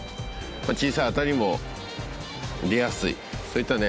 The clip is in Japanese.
まぁ小さいアタリも出やすいそういったね